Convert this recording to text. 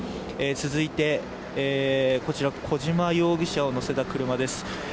続いて、こちら小島容疑者を乗せた車です。